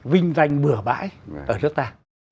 vinh danh bửa bãi ở nước ta